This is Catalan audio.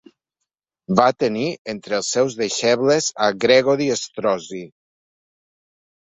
Va tenir entre els seus deixebles a Gregori Strozzi.